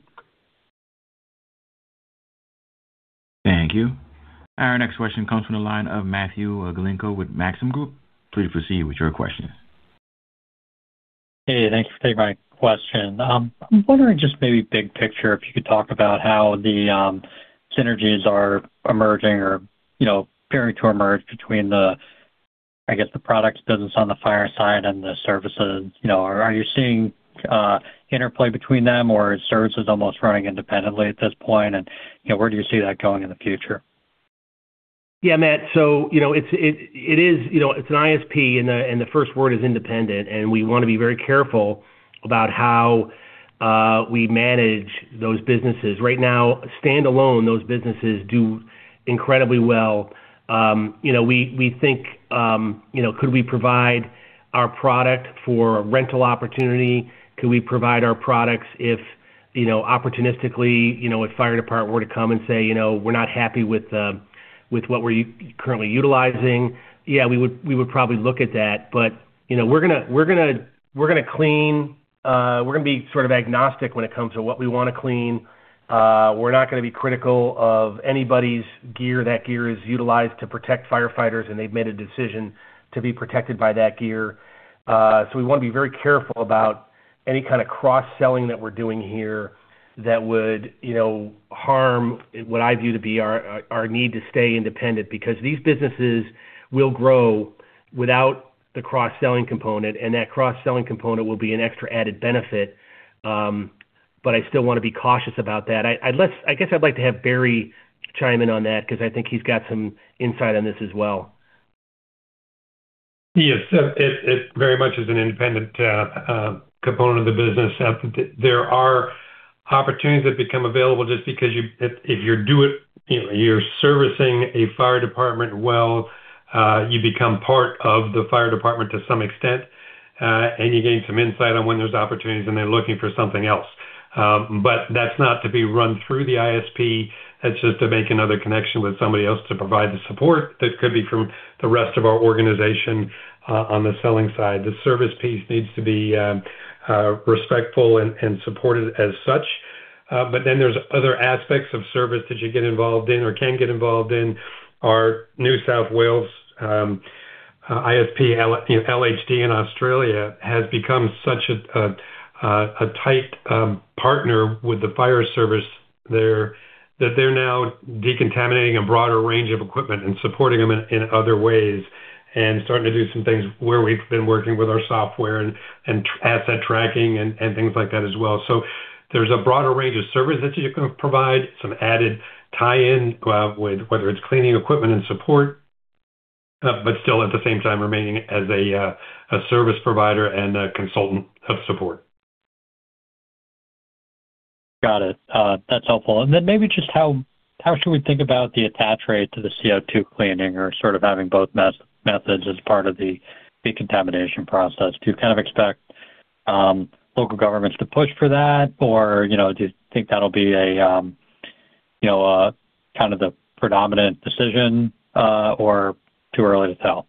Thank you. Our next question comes from the line of Matthew Galinko with Maxim Group. Please proceed with your questions. Hey, thanks for taking my question. I'm wondering, just maybe big picture, if you could talk about how the synergies are emerging or appearing to emerge between, I guess, the products business on the fire side and the services. Are you seeing interplay between them, or is services almost running independently at this point, and where do you see that going in the future? Yeah, Matthew. It's an ISP, and the first word is independent, and we want to be very careful about how we manage those businesses. Right now, standalone, those businesses do incredibly well. We think could we provide our product for a rental opportunity? Could we provide our products opportunistically, if fire department were to come and say, "We're not happy with what we're currently utilizing," yeah, we would probably look at that. We're going to be agnostic when it comes to what we want to clean. We're not going to be critical of anybody's gear. That gear is utilized to protect firefighters, and they've made a decision to be protected by that gear. We want to be very careful about any kind of cross-selling that we're doing here that would harm what I view to be our need to stay independent, because these businesses will grow without the cross-selling component, and that cross-selling component will be an extra added benefit. I still want to be cautious about that. I guess I'd like to have Barry chime in on that because I think he's got some insight on this as well. Yes. It very much is an independent component of the business. There are opportunities that become available just because if you're servicing a fire department well, you become part of the fire department to some extent, and you gain some insight on when there's opportunities and they're looking for something else. That's not to be run through the ISP. That's just to make another connection with somebody else to provide the support that could be from the rest of our organization on the selling side. The service piece needs to be respectful and supported as such. There's other aspects of service that you get involved in or can get involved in. Our New South Wales ISP, LHD in Australia, has become such a tight partner with the fire service there that they're now decontaminating a broader range of equipment and supporting them in other ways and starting to do some things where we've been working with our software and asset tracking and things like that as well. There's a broader range of service that you can provide, some added tie-in with whether it's cleaning equipment and support, but still, at the same time, remaining as a service provider and a consultant of support. Got it. That's helpful. Then maybe just how should we think about the attach rate to the CO2 cleaning or sort of having both methods as part of the decontamination process? Do you kind of expect local governments to push for that, or do you think that'll be a kind of the predominant decision, or too early to tell?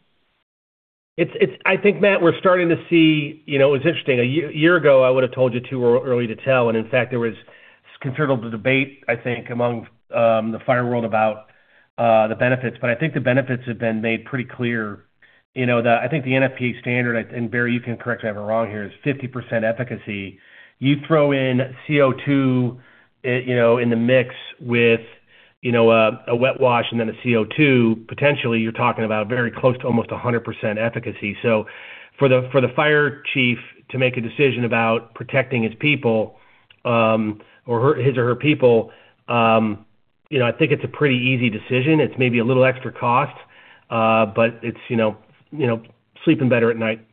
I think, Matthew, we're starting to see. It was interesting. A year ago, I would've told you too early to tell, and in fact, there was considerable debate, I think, among the fire world about the benefits, but I think the benefits have been made pretty clear. I think the NFPA standard, and Barry, you can correct me if I'm wrong here, is 50% efficacy. You throw in CO2 in the mix with a wet wash and then a CO2, potentially you're talking about very close to almost 100% efficacy. For the fire chief to make a decision about protecting his people or his or her people, I think it's a pretty easy decision. It's maybe a little extra cost, but it's sleeping better at night.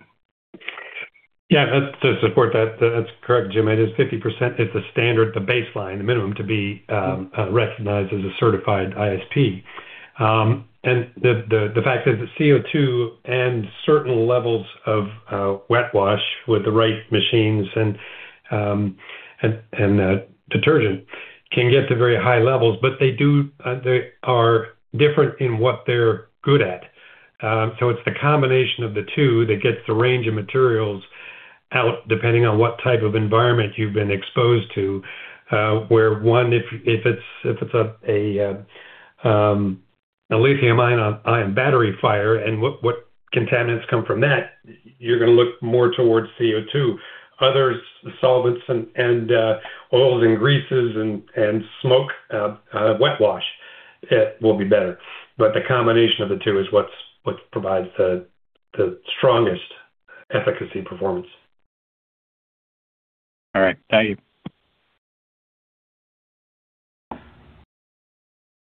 Yeah. To support that's correct, Jim. It is 50% is the standard, the baseline, the minimum to be recognized as a certified ISP. The fact is that CO2 and certain levels of wet wash with the right machines and detergent can get to very high levels, but they are different in what they're good at. It's the combination of the two that gets the range of materials out, depending on what type of environment you've been exposed to, where one, If it's a lithium ion battery fire and what contaminants come from that, you're going to look more towards CO2. Others, the solvents and oils and greases and smoke, wet wash will be better. The combination of the two is what provides the strongest efficacy performance. All right. Thank you.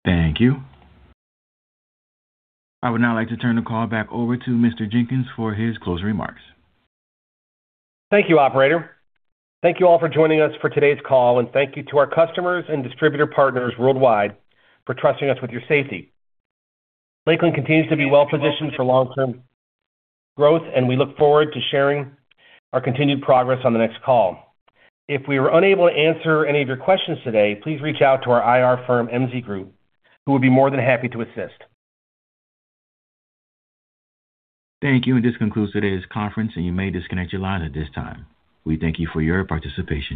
Thank you. I would now like to turn the call back over to Mr. Jenkins for his closing remarks. Thank you, operator. Thank you to our customers and distributor partners worldwide for trusting us with your safety. Lakeland continues to be well-positioned for long-term growth. We look forward to sharing our continued progress on the next call. If we were unable to answer any of your questions today, please reach out to our IR firm, MZ Group, who would be more than happy to assist. Thank you. This concludes today's conference. You may disconnect your lines at this time. We thank you for your participation.